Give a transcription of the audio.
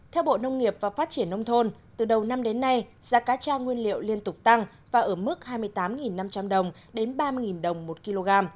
theo bộ nông nghiệp và phát triển nông thôn từ đầu năm đến nay giá cá tra nguyên liệu liên tục tăng và ở mức hai mươi tám năm trăm linh đồng đến ba mươi đồng một kg